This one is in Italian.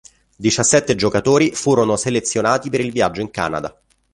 Diciassette giocatori furono selezionati per il viaggio in Canada.